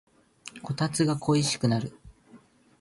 こたつが恋しくなる